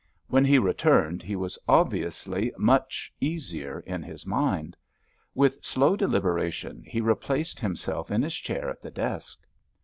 When he returned he was obviously much easier in his mind. With slow deliberation he replaced himself in his chair at the desk.